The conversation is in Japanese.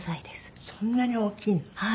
そんなに大きいの。